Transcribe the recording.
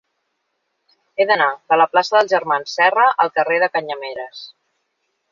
He d'anar de la plaça dels Germans Serra al carrer de Canyameres.